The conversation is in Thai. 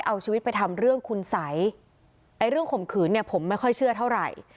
เอาชีวิตไปทำเรื่องคุณสัยไอ้เรื่องข่มขืนเนี่ยผมไม่ค่อยเชื่อเท่าไหร่